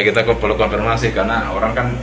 kita perlu konfirmasi karena orang kan